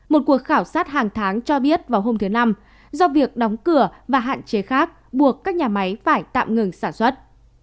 một cuộc khảo sát hàng tháng cho biết vào hôm thứ năm do việc đóng cửa và hạn chế khác buộc các nhà máy phải tạm ngừng sản xuất